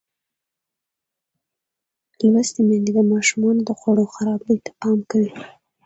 لوستې میندې د ماشومانو د خوړو خراب بوی ته پام کوي.